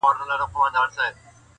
چي ستا گېډي او بچیو ته په کار وي-